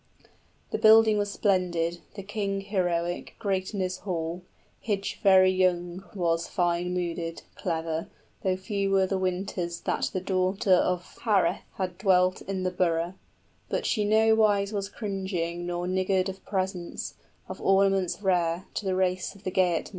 The building was splendid, the king heroic, Great in his hall, Hygd very young was, {Hygd, the noble queen of Higelac, lavish of gifts.} Fine mooded, clever, though few were the winters That the daughter of Hæreth had dwelt in the borough; 40 But she nowise was cringing nor niggard of presents, Of ornaments rare, to the race of the Geatmen.